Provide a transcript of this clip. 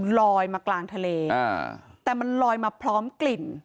ลอยมากลางทะเลอ่าแต่มันลอยมาพร้อมกลิ่น